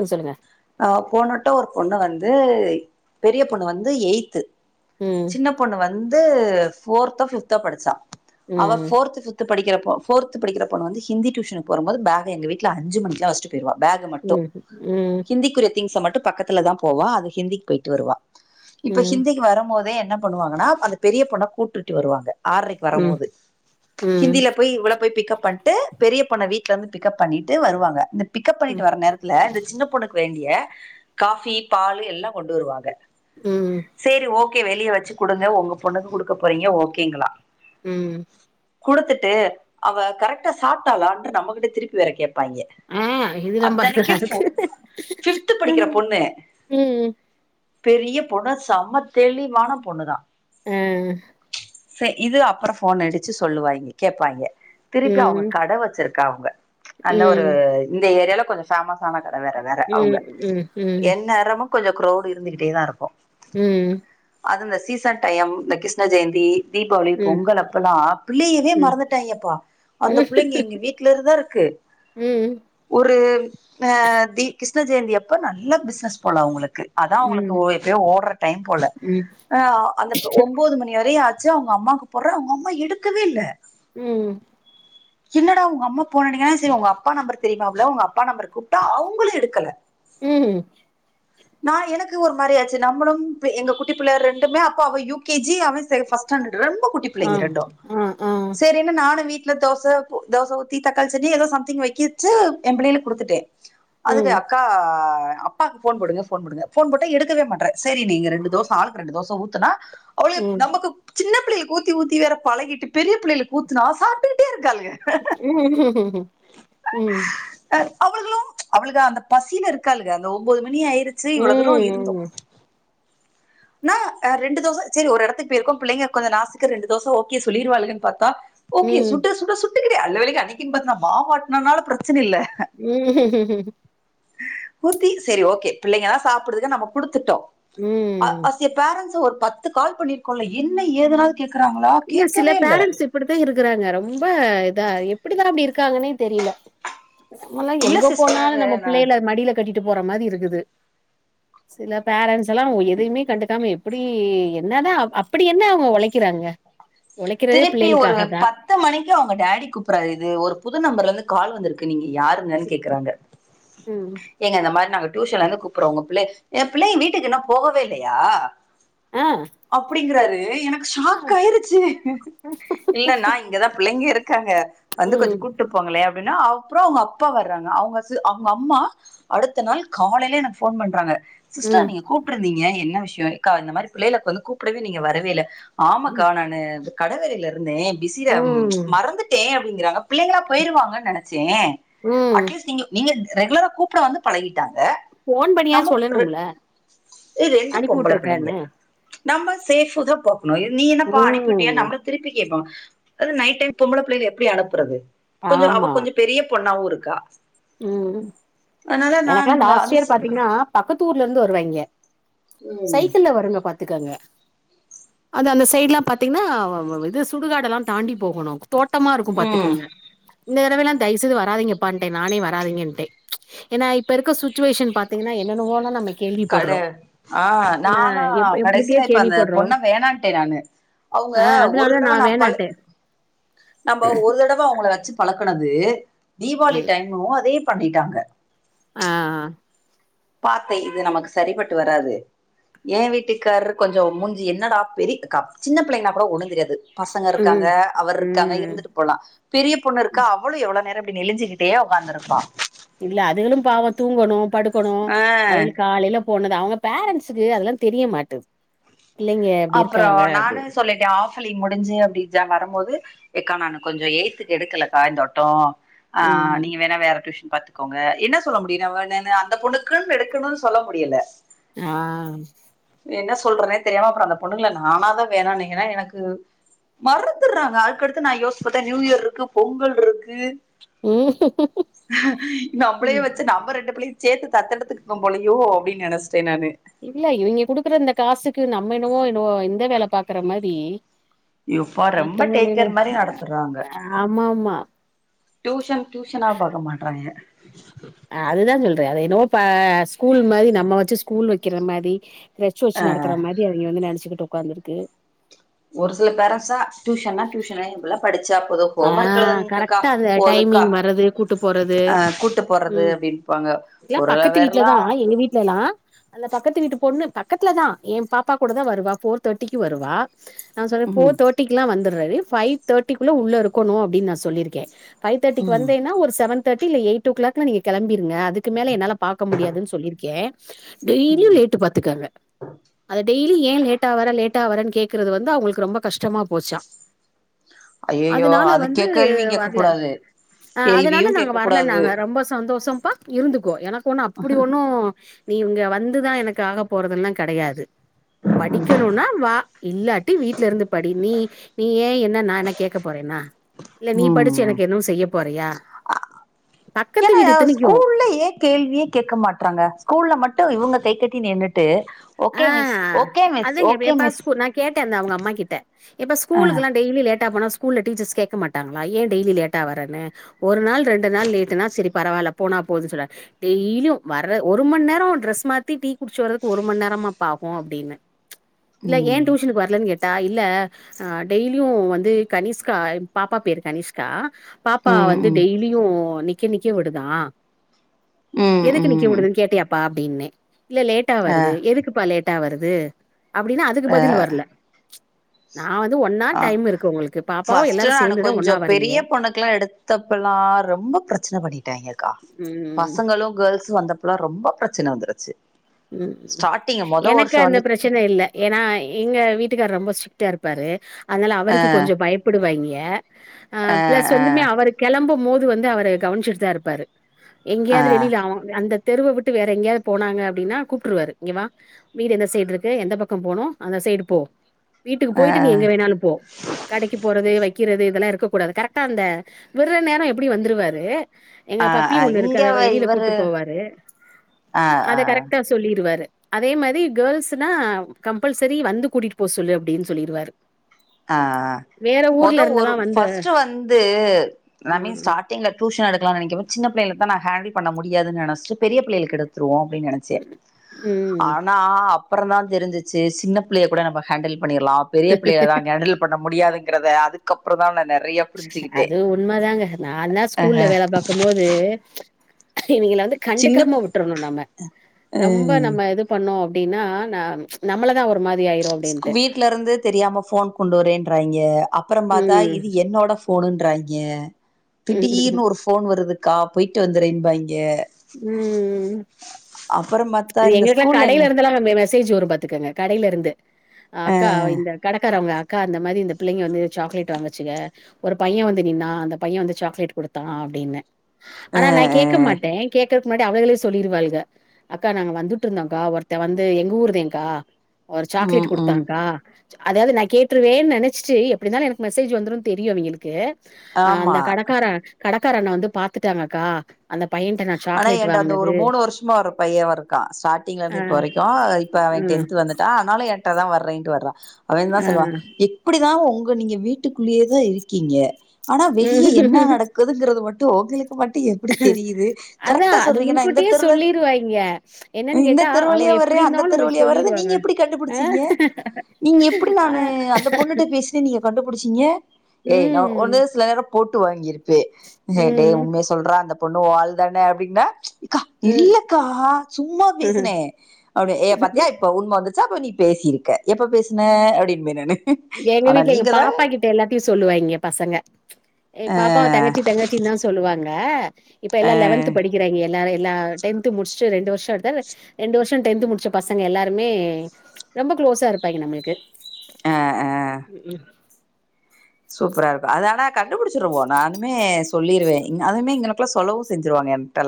ம் சொல்லுங்க அ போனட்ட ஒருப் பொண்ணு வந்து பெரியப் பொண்ணு வந்து எயி்த்து ம் சின்னப் பொண்ணு வந்து ஃபோர்த்தோ ஃபிஃப்த்தோ படிச்சா அவெ ம் ஃபோர்த்து ஃபிஃப்த்து படிக்கிறப்போ ஃபோர்த்து படிக்கிறப்ப பொண்ணு வந்து ஹிந்தி டியூஷன் போறம்போது பேக எங்க வீட்ல அஞ்சு மணிக்கிலா வெச்ட்டுப் போயிருவா பேக மட்டு ம் ம் திக்குரிய தி்ங்ஸ மட்டுப் பக்கத்துலதாம் போவா அது ஹிந்திக் போயிட்டு வருவா இப்ப ம் ஹிந்திக்கு வரம்மோதே என்னப் பண்ணுவாங்கனா அந்தப் பெரிய பொண்ண கூட்டுட்டு வருவாங்க ஆற்ரைக்கு வரம் ம் போது ம் ஹிந்தில போய் இவள போய் பிக்கப் பண்ட்டு பெரிய பொண்ண வீட்ல இருந்து பிக்கப் பண்ணிட்டு வருவாங்க இந்த பிக்கப் பண்ணிட்டு ம் வர நேரத்தில இந்த சின்ன க்கு வேண்டிய காஃபி பாலு எல்லா கொண்டு வருவாங்க ம் சேரி ஓக் கே வெளிய வச்சு குடுங்க ஒங்க பொண்ணுக்கு குடுக்க போறீங்க ஓகேங்ளா ம் குடுத்துட்டு அவ கரெக்டா சாப்ட்டாளான்ட்டு நம்மகிட்ட திருப்பி வேற கேப் பாங்க ஆ இது ரொம்ப அழகா அத்தனைக்கி ஃபோ இருக்கு ஃபிஃப்து படிக்கிற ம் பொண்ணு ம் பெரிய பொண்ணு செம தெளிவான பொண்ணு தா ம் சே இது அப்பறம் ஃபோன் அடிச்சு சொல்லுவாங்ங கேட்பாங்ங திருப்பி அவுங்க ம் கட வச்சிருக் காவுங்க அந்த ஒரு ம் இந்த ஏரியால கொஞ்ச ஃபேமஸான கட வேற வேற ம் அவுங்க ம் ம் ம் என் நேரமு கொஞ்சொ க்ரௌடு இருந்துகிட்டே தா இருக்கூ ம் அது இந்த சீசன் டைம் இந்த கிஷ்ண ஜெயந்தி தீபாவளி ம் ம் பொங்கல் அப்பெல்லா பிள்ளையவே மறந்துட்டாங்ஙப்பா அந்த புள்ளங்ங எங்க வீட்லேதா இருக்கு ம் ஒரு அ தி கிஷ்ண ஜெயந்தி அப்ப நல்ல பிஸ்னஸ் போல அவுங்களுக்கு அதா அவுங்களுக்கு எப்பயு ஓட்ற டைம் போல ம் ம் ஆ அந்த ஒம்போது மணி வரயு ஆச் சு அவுங்க அம்மாவுக்கு போட்றே அவுங்க அம்மா எடுக்கவே இல்ல ம் என்னடா உங்க அம்மா போனடுக்காங்க சரி உங்க அப்பா நம்பர் தெரியுமாபுள்ள உங்க அப்பா நம்பர் கூப்பிட்டா அவுங்களு எடுக் க்கல ம் நா எனக்கு து ஒரு மாரி ஆச்சு நம்மளும் எங்க குட்டிள்ள ரெண்டுமே அப்ப அவ யூ கே ஜி அவன் ஃபஸ் ஸ்டாண்டடு ரெண்டும் குட்டி ஆ புள்ளைங்க ரெண்டும் ஆ ஆ செரி என்ன நானும் வீட்ல தோச தோச ஊத்தி தக்காளி சட்னி ஏதோ சம்திங் வைக்கிட்டு எம்பிள்ளைகளுக்கு குடுத்துட்டே அதுக ம் அக்கா அப்பாக்கு ஃபோன் போடுங்க ஃபோன் போடுங்க ஃபோன் போட்டா எடுக்கவே மாட்டுறார் சரி நீங்க ரெண்டு தோச ஆளுக்கு ரெண்டு தோச ஊத்துனா அவ்ள்க ம் நமக்கு சின்ன பிள்ளைகளுக்கு ஊத்தி ஊத்தி வேற பழகிட்டு பெரிய பிள்ளைகளுக்கு ஊத்துனா சாப்ட்டுகிட்டே இருக்காளுக ம் அ அவ்ள்களும் அவுளுக அந்த பசில இருக் காளுக அந்த ஒம்போது மணி ஆயிருச்சு இவ்ள தூரோ இருந்தோ ம் நி ரெண்டு தோச செரி ஒரு எடத்துக்கு போயிருக்கோ பிள்ளைங்க கொஞ்ச நாசுக்கா ரெண்டு தோச ஓகே சொல்லிருவாளுகன்னு பாத்தா ஓகே ம் சுட்டு சுட சுட்டு கிட்டே அல்ல வேலிக்கு அண்ணிக்கின் பாத்து நா மாவாட்டினனால பிரச்சன இல்ல ம் ஊத்தி செரி ஓகே பிள்ளைங்கதா சாப்பிடுதுக நம்ம குடுத்துட்டோ ஆ ம். ஆஸ்ய பேரன்ஸா ஒரு பத்து கால் பண்ணிருக்கோல என்ன ஏதுனாவ்து கேக்குறாங்களா இல்ல சில கேட்கவே இல்ல பேரண்ட்ஸ் இப்டித்தா இருக்குறாங்க ரொம்ப இதா எப்டிதா அப்டி இருக்காங்கன்னே தெரில நம்மலா இல்ல எங்க போனாலு நம்ம சிஸ்டர் புள்ளைைகல மடில கட்டிட்டு போற மாரி இருக்குது சில பேரண்ட்ஸ் எல்லா எதையுமே கண்டுக்காம எப்டி என்னதா அப்டி என்ன அவுங்க ஒழைக்கிறாங்க ஒழைக்கிறதே திருப்பி ஒரு பிள்ளைகளுக்காக தா பத் த்து மணிக்கு அவுங்க டேடி கூப்புறாரு இது ஒரு புது நம்பர்ல இருந்து கால் வந்திருக்கு நீங்க யாருங்கன்னு கேக்குறாங்க ம் எங்க இந்த மாரி நாங்க டியூஷன்ல இருந்து கூப்பறோ உங்க பிள்ளை ஏ பிள்ளைங் வீட்டுக்கு இன்னு போகவே இல்லையா ஆ அப்பிடிங்கறாரு எனக்கு ஷாக் ம் ஆயிரிச்சி இல்ல நா இங்கதா பிள்ளைங்க இருக்காங்க வந்து கொஞ்சோ கூ ட்டுற்ப்போங்களே அப்டின்னா அப்புறோ அவங்க அப்பா வர்றாங்க அவங்க சி அவங்க அம்மா அடுத்த நாள் காலையில எனக்கு ஃபோன் பண்றாங்க சிஸ்டர் ம் நீங்க கூப்பிட்ருந்தீங்க என்ன விஷ்யோ க்கா இந்த மாரி பிள்ளைகளுக்கு வந்து கூப்பிடவே நீங்க வரவே இல்ல ஆமாக்கா ம் நானு கடவரையில இருந்தே பிஸில ம் மறந்துட்டே அப்டிங்கறாங்க பிள்ளைங்களா போயிருவாங்கன் நெனைச்சே ம். அட்லீஸ் நீங்க நீங்க ரெகுலரா கூப் ப்பட வந்து பழகிட்டாங்க ஃபோன் பண்ணியாது நமக் ரெ சொல்லணும்ல எ ரெண்டு அனுப்பி பொம்பள பிள்ளைங்க வுட்ருக்கேன்னு நம்ம சேஃப்தா பக்கணு நீ என்னபா அனுப்பிட் ம் திருப்பி கேப்பா அது நைட் டை பொம்பள பிள்ளைகள எப்பிடி அனுப்புறது கொஞ்சோ அவ ஆமா கொஞ்ச பெரிய பொண்ணாவு இருக்கா அதனால நா எனக்குல்லா அனுப்பல லாஸ்ட் அது இயர் சு பாத்தீங்கன்னா பக்கத்தூர்ல இருந்து வருவாயிங்க ம் சைக்கிள்ல வருங்க பாத் த்துகங்க அது அந்த சைட்ல்லா பாத்தீங்கன்னா வ வ இது சுடுகாடெல்லா தாண்டி போகணு தோட்டமா இருக்கு ம் பாத்துக்கங்க இந்த தடவை எல்லா தய்வு செய்து வராதீங்கப்பான்ட நானே வராதிங்ன்டே ஏன்னா இப்ப இருக்க சுச்சுவேஷன் பாத்தீங்கன்னா என்னென்னவோலா நமைக் கட ஆ நானா எப் எப்டி எப்டியோ கடசியில இப்ப அந்த கேள்விப்படுறோ பொண்ண வேணான்ட்டே நானு அவுங்க ஆ ஒரு அதனால தடவ நா பழ வேணான்ட்டே நம ஒரு தடவ அவங்க வச்சி பழக்கனது தீபாவளி ம் டைமு அதே பண்ணிட்டாங்க ஆ பாத்தே இது நமக்கு சரிப்பட்டு வராது ஏ வீட்டுக்காரு கொஞ்சோ மூஞ்சிய என்னடா பெரி க சின்ன பிள்ளைங்கனா கூட ஒன்னு தெரியது பசங்க இருக்காங்க ம் அவர் இருக்காங்க ம் இருந்துட் போலா பெரிய பொண்ணு இருக்கா அவ்ளு எவ்ளோ நேரோ இப்டி நெலிஞ்சிகிட்டே உக்காந்துருப்பா இல்ல அதுகளு பாவோ தூங்கணு படுக்கணு ஆ அதுல காலையில போனது அவங்க பேரண்ஸ்க்கு அதெல்லா தெரிய மாட்டது பிள்ளைங்க இப்டி இருக்காங்க அப்டி ஆஃபேலி முடிஞ்சி அப்டி ஜ வரம்போது ஏக்கா நானு கொஞ்சோ எயித்தக்கு எடுக்கலக்கா இந்த தொட்டோ ஆ ம் நீங்க வேணா வேற டியூஷன் பத்து கோங்க என்ன சொல்ல முடியு நவனன அந்த பொண்ணுக்குன் எடுக்கணு சொல்ல முடியல ஆ என்ன சொல்றனே தெரியாம அப்புறோ அந்த பொண்ணுங்கல நானாதா வேணான்னே ஏன்னா எனக்கு மறந்துறாங்க அதுக்கடுத்து நா யோசிபாத்தா நியூ இயர் இருக்கு பொங்கல் இருக்கு ம் நம்பளே வச்சி நம்ம ரெண்டு பிள்ளையு சேத்து தத்தெடுத்துக்கோ போலையோ அப்டின் நெனச்சிட்டே நானு இல்ல இவிங்க குடுக்குற இந்த காசுக்கு நம்ம என்னவோ என்னவோ இந்த வேல பாக்குற மாரி இப்பா அத்த ரொம்ப வேலைல டேக்கர் மாரி நடத்துறாங்க ஆமா ஆமா டியூஷன் டியூஷனா பாக்க மாட்டறாங்க ஆ அதுதா சொல்றே அத என்னோ ப ஸ்கூல் மாரி நம்ம வச்சி ஸ்கூல் வைக்கிற மாரி தச்சி வச்சி நடத்துற மாரி அவிங்க வந்து நெனச்சிக்கிட்டு உக்காந்துருக்கு ஒரு சில பேரன்ஸ்ஸா டியூஷன்னா டியூஷன்ன எ பிள்ள படிச்சா போது ஆ ஹோம்ர் எழுதுங்குக்கா கரெக்டா அந்த போதுக்கா டைமிங் வர்றது கூட்டு போறது அ கூட்டு போடுறது ம் அப்டின்ப்பாங்க எல்லா பக்கத்து வீட்டு்லதா எங்க வீட்டுலல்லா அந்த பக்கத்து வீட்டு பொண்ணு பக்கத்துல தா என் பாப்பா கூட தா வருவா ஃபோர் தேர்ட்டிக்கு வருவா நா சொல்றே ம் ஃபோர் தேர்ட்டிக்குல்லா வந்துடுறரு ஃபைவ் தேர்ட்டிக்குள்ள உள்ள இருக்கணு அப்டின்னு நா சொல்லிருக்கே ஃபைவ் தேர்டிக்கு ம் வந்தேன்னா ஒரு செவன் தேட்டி இல்ல எய்ட்ஓகிளாக்ல நீங்க கிளம்பிருங்க அதுக்கு மேல என்னால பார்க்க முடியாதுன்னு சொல்லிருக்கே டெய்லியு ம் லேட்டு பாத் துக்காக அது டெய்லி ஏ லேட்டா வர லேட்டா வரணு கேக்றது வந்து அவங்களுக்கு ரொம்ப கஷ்டமா போச்சா ஐயையோ அதனால வந்து அதுக்கே கேள்வி கேக்க வர்ல கூடாது அ அதனால கேள்வியு நாங்க கேக்க வர்ல கூடாது நாங்க ரொம்ப சந்தோஷம்ப்பா இருந்துக்கோ எனக்கு ஒண்ணு அப்படி ஒண்ணு நீ இங்க வந்துதா எனக்கு ஆக போறதல்லா கடையாது படிக்கணும்னா வா இல்லாட்டி வீட்ல இருந்து நீ நீ ஏ என்ன நா ன கே ட்ர போறேனா இல்ல நீ படிச்சு ம் எனக்கு என்னு செய்ய போறியா பக்கத்து ஏன்னா வீடுத்தனைக்கு ஸ்கூல்ல ஏ கேள்வியே கேக்க மாட்டறாங்க ஸ்கூல்ல மட்டு இவங்க தெகத்தி நின்னுட்டு ஆ ஓகே மிஸ் ஓகே மிஸ் அதங்க இப்ப ஓகே எப்பா மிஸ் ஸ்கூ நா கேட்டே அந்த அவங்க அம்மா கிட்ட இப்ப ஆ ஸ்கூலுக்குல்லா டேய்லி லேட்ட போனா ஸ்கூல்ல டீச்சர்ஸ் கேக்க மாட்டங்களா ஏ டெய்லி லேட்டா வறனு ஒரு நாள் ரெண்டு நாள் லேட்டுனா சரி பரவாயில்ல போனா போகுது சொல்வ டெய்லியு வர்ற ஒரு மணி நேரோ ட்ரெஸ் மாத்திட்டி குடிச்சு வரதுக்கு ஒரு மணி நேரமாப்பாகு அப்டின்னே இல்ல ஏ ம் டியூஷனுக்கு வர்லன்னு ட்டா இல்ல அ டெய்லியு வந்து கனிஷ்கா எ பாப்பா பேரு கனிஷ்கா பாப்பா ம் வந்து ம் டெய்லியு நிக்க நிக்க விடுதா ம் எதுக்கு நிக்க ம் விடுதுன்னு கேட்டியாப்பா அப்டின்னே இல்ல லேட்டா வருது எதுக் ப்பா லேட்டா வருது அப்டின்னா அதுக்கு பதில் வர்ல நா வந்து ஒன்னார் ஆ டைம் இருக்கு உங்களுக்கு பாப்பாவு எல்லாரு சேர்ந்துதா ஒன்னா வரீங்க உனக்குல்லா எடுத்தப்பல்லா ரொம்ப பிரச்சன பண்ணிட்டேங்கக்கா ம் பசங்களு கேர்ள்ஸ்சு வந்தப் அல்லா ரொம்ப பிரச்சன வந்துருச்சு ம் ஸ்டார்ட்டிங் மொத எனக்கு வருஷோ அந்த வந்து பிரச்சன இல்ல ஏன்னா எங்க வீட்டுக்கார் ரொம்ப ஸ்ட்டிக்ட்டா இருப்பாரு அதனால அவருக்கு கொஞ்சோ பயப் ப்பிடுவாங்க ஆ அ பிளஸ் வந்துமே அவர் கெளம்பு போது வந்து அவரு கவனிச்சுட்டு தா இருப்பாரு அ அ எங்கேயாவது வெளியில அவெ அந்த தெருவ விட்டு வேற எங்கேயாவது போனாங்க அப்டின்னா கூப்ட்ருவாரு இங்க வா வீடு எந்த சைடு இருக்கு எந்த பக்கோ போடு அந்த சைடு போ வீட்டுக்கு அ போயிட்டு நீ எங்க வேணாலுப்போ கடைக்கு போறது வைக்கிறது இதெல்லா இருக்கக் கூடாது கரெக்டா அந்த விற நேரோ எப்டியு வந்துருவாரு எங்க அ பப்பி அ ஒண்ணு இருக்கு இங்க அத வெளியில இவரு கூட்டு போவாரு அ அ அத கரெக்ட் சொல்லிருவாரு அதே மாதரி கேர்ள்ஸ்னா கம்பல்சரி வந்து கூட்டிட்டு போ சொல்லு அப்டின்னு சொல்லிருவாரு ஆ வேற மொத ஊர்ல ஒரு இருந்தெல்லா வந்து ஃபஸ்ட் வந்து ந மீ ம் ஸ்டார்ட் ட்ங்ல ட்யூஷன் எடுலாம்னு நனைக்கமோ சின்ன பிள்ளங்கள தா நா ஹேண்டல் பண்ண முடியாதுன்னு நினச்சுட் பெரியபிள்ளைளுக்கு எடுத்துருவோ அப்டினு நெனச்சு ச்சே ம் ஆனா அப்புற தா தெரிஞ்சிச்சு சின்ன பிள்ளைய கூட நம்ம ஹேண்டில் பண்ணிடலா பெரிய பிள்ளய தான்ங் ஹேண்டில் பண்ண முடியாதுங்கறத அதுக்கப்புரோ தா நா நறைய அதுவு உண்ம தாங்க நா தா ஸ்கூல்ல வேல பாக்கும்போது இவிங்கிள வந்து சின்ன கண்டுக்காம விட்டுறணு நம்ம ரொம்ப ம் நம்ம எது பண்ணோ அப்டின்னா ந நம்மளதா ஒரு மாரி ஆயிரு ஸ்கூ அப்டின்ட்டு வீட்ல இருந்து தெரியாம ஃபோன் கொண்டு வரேன்றாங்கே அப்புறோ பாத்தா ம் இது என்னோட ஃபோனுன்றாயங்க ம் திடீர்னு ஒரு ஃபோன் வருதுக்கா போயிட்டு வந்துறேன்பாய்ங்க ம் அப்புறம் பாத்தா இந்த எங்களுக்குலா ஸ்கூல்ல கடைல எங்க இருந்தனால இந்த மெசேஜ் ஒரு பாத்துக்கங்க கடையில இருந்து அக்கா இந்த கடக்காரவங்க அக்கா அந்த மாரி இந்த பிள்ளைங்க வந்து சாக்லேட் வாங்கச்சுங்க ஒரு பையன் வந்து நீனா அந்த பையன் வந்து சாக்லேட் கொடுத்தா அப்படின்னு அ ஆனா நா அ கேக்க மாட்டே கேக்குறக்கு முன்னாடி அவளுகளே சொல்லிருவாள்க அக்கா நாங்க வந்துட்டு இருந்தோங்கா ஒருத்த வந்து எங்க ஊருதேங்க்கா ஒரு சாக்லேட் ம் ம் கொடுத்தான்கா அதாவது நா கேட்டுருவேன்னு நனைச்சிட்டு எப்படினா எனக்கு மெசேஜ் வந்துரும்னு தெரியு அவிகளுக்கு அ அந்த ஆமா கடக்கார கடக்கார அண்ணா வந்து பாத்துட்டாங்கக்கா அந்த பையன்ட்ட நான் ஆனா சாக்லேட் என்ட அந்த ஒரு வாங்குனது. மூணு வருஷமா ஒரு பையன் இருக்கான் ஸ்டார்டிங்ல அ, இருந்து இப்போ வரைக்கு இப்ப அ, அவன் டென்த் வந்துட்டா ஆனாலு என்ட தா வர்றேன்ட்டு வர்ற அவன் தான் சொல்லுவா எப் எப்டி தா உங்க நீங்க வீட்டுக்குள்ளேயே தா இருக்கீங்க ஆனா வெளியே என்ன அ." நடக்குதுங்கிறது மட்டும் உங்களுக்கு மட்டும் எப்டி தெரியுது கரெக்டா அதான். அது சொல்றீங்கன்னா இந்த முன்கூட்டியே தெருல சொல்லிருவாய்ங்க. என்னன்னு இந்த கேட்டா, தெரு அவங்க வழியா வரே எப்டி அந்த இருந்தாலும் தெரு உங்களுக்கு வழியா வர்றது நீங்க சொல்லிருவாங்க. எப்டி அ, கண்டுபிடிச்சீங்க நீங்க எப்டி அ, நானு அந்த பொண்ணுட்ட பேசுன நீங்க கண்டுபிடிச்சீங்க ஏய் நா ஒன்னு ம், சி ல நேரொ போட்டு வாங்கியிருப்பே டேய் ம், உண்மை சொல்றா அந்த பொண்ணு ஓன் ஆள்ழ்தான அப்டின்னா எக்கா ம். இல்லக்கா சும்மா பேசுனேன் அப்டி ஏய் பாத்தியா இப்ப உண்ம வந்துச்சா அப்ப நீ பேசியிருக்க எப்ப பேசுன அப்படின்பே நானு ஆனா நீங்க தான் மத்த எல்லாத்தையும் சொல்லுவாய்ங் பசங்க ஏ பாப்பாவ தங்கச்சி தங்கச்சின் தான் சொல்லுவாங்க இப்ப அ எல்லாம் லெவன்த் படிக்கிறாங்க எல்லார் எல்லா டென்த்து முடிச்சுட்டு ரெண்டு வருஷம் எடுத்தாரு ரெண்டு வருஷம் டென்த்து முடிச்ச பசங்க எல்லாருமே ரொம்ப குளோஸா இருப்பாய்ங்க நம்மளுக்கு அ அ ம் ம் சூப்பரா இருக்கும் அதான கண்டுபிடிச்சிருவோம் நானுமே சொல்லிருவேன் இங் அதுமே இங்கன குள்ள சொல்லவும் செஞ்சுருவாங்க என்டெல்லாம்